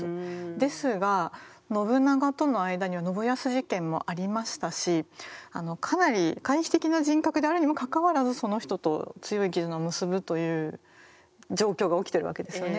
ですが信長との間には信康事件もありましたしかなり回避的な人格であるにもかかわらずその人と強い絆を結ぶという状況が起きてるわけですよね。